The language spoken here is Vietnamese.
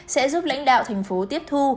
sẽ giúp lãnh đạo tp hcm tiếp thu